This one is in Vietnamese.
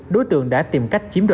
đối tượng đã tìm cách chiếm